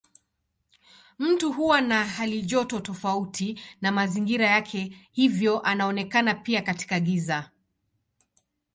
Mtu huwa na halijoto tofauti na mazingira yake hivyo anaonekana pia katika giza.